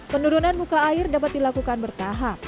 penurunan muka air dapat dilakukan bertahap